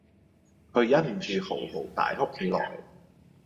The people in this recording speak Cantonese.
佢忍唔住嚎啕大哭起嚟